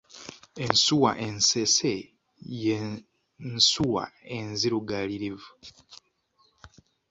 Ensuwa ensese ye nsuwa enzirugaalirivu.